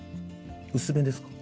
薄めですか？